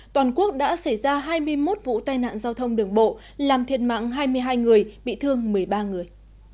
toàn quốc đã xảy ra hai mươi một vụ tai nạn giao thông đường bộ làm thiệt mạng hai mươi hai người bị thương một mươi ba người